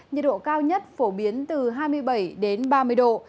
nhiệt độ cao nhất phổ biến từ hai mươi bảy đến ba mươi độ